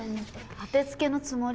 当てつけのつもり？